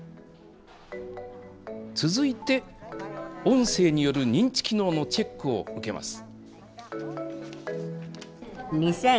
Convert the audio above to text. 続いて、音声による認知機能のチェックを受けます。